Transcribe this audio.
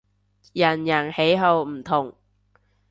人人喜好唔同